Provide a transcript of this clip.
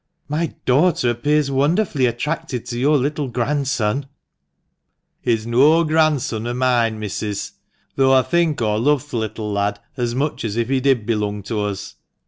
" My daughter appears wonderfully attracted to your little grandson." " He's noa gran'son o' moine, Missis, though aw think aw love th' little lad as much as if he did belung to us.